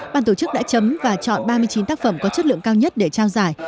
ban tổ chức đã chấm và chọn ba mươi chín tác phẩm có chất lượng cao nhất để trao giải